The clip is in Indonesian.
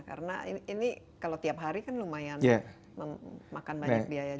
karena ini kalau tiap hari kan lumayan makan banyak biaya juga